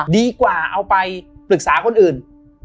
ดีกว่าเอาไปปรึกษาคนอื่น